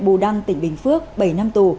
bù đăng tỉnh bình phước bảy năm tù